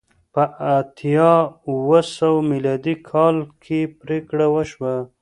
په اتیا اوه سوه میلادي کال کې پرېکړه وشوه